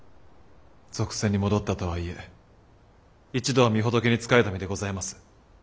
俗世に戻ったとはいえ一度は御仏に仕えた身でございます。